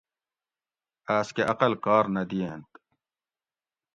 آس کہ عقل کار نہ دِیٔنت